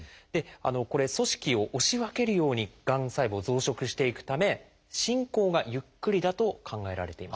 これ組織を押し分けるようにがん細胞増殖していくため進行がゆっくりだと考えられています。